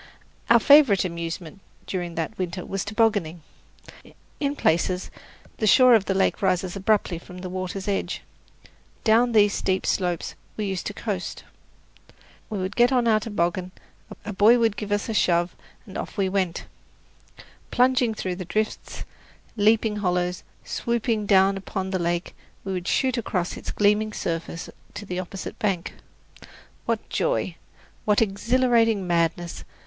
Our favourite amusement during that winter was tobogganing. In places the shore of the lake rises abruptly from the water's edge. Down these steep slopes we used to coast. We would get on our toboggan, a boy would give us a shove, and off we went! Plunging through drifts, leaping hollows, swooping down upon the lake, we would shoot across its gleaming surface to the opposite bank. What joy! What exhilarating madness!